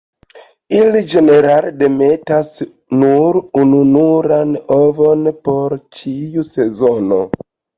Ili ĝenerale demetas nur ununuran ovon por ĉiu sezono.